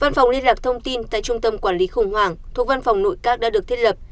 văn phòng liên lạc thông tin tại trung tâm quản lý khủng hoảng thuộc văn phòng nội các đã được thiết lập